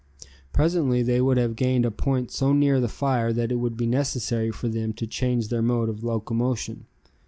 Presently they would have gained a point so near the fire that it would be necessary for them to change their mode of locomotion.